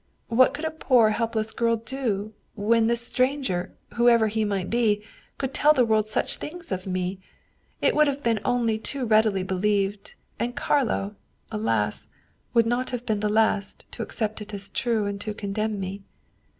What could a poor helpless girl do, when this stranger, whoever he might be, could tell' the world such things of me ? It would have been only too readily believed, and Carlo, alas! would not have been the last to accept it as true and to condemn me.